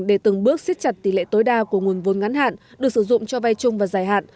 để từng bước xích chặt tỷ lệ tối đa của nguồn vốn ngắn hạn được sử dụng cho vai chung và giải hạn